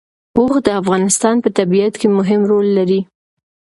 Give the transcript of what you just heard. اوښ د افغانستان په طبیعت کې مهم رول لري.